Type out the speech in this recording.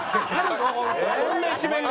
そんな一面が。